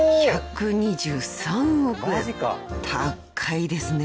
［高いですね